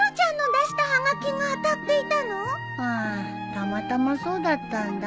たまたまそうだったんだ。